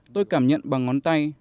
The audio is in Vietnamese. tôi cảm nhận bằng ngón tay